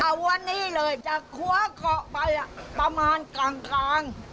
เอาเงี้ยเลยจากขว้าเกาะไปอ่ะประมาณกลางกลาง